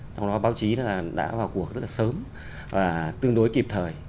trong đó báo chí đã vào cuộc rất sớm và tương đối kịp thời